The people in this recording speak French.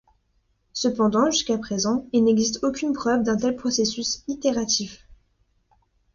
Cependant jusqu'à présent, il n'existe aucune preuve d'un tel processus itératif.